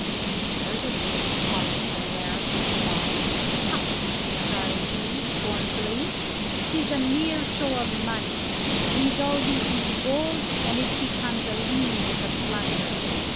"There's a brave pocketful there," said I. "Tut!" cried he, scornfully. "'Tis a mere show of money; resolve it into gold and it becomes a lean bit of plunder.